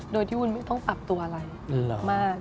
โดยที่วุ้นไม่ต้องปรับตัวอะไรมาก